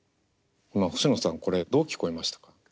今星野さんこれどう聞こえましたか？